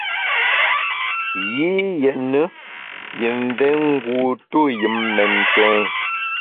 Yi yétne yi mvé ngu tuyùn mentèn.